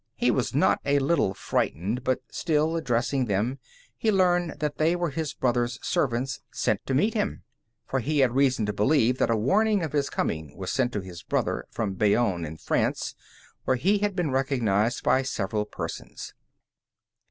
He was not a little frightened, but still, addressing them, he learned that they were his brother's servants sent to meet him. For he had reason to believe that a warning of his coming was sent to his brother from Bayonne in France, where he had been recognized by several persons.